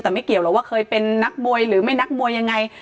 แต่ไม่เกี่ยวหรอกว่าเคยเป็นนักมวยหรือไม่นักมวยยังไง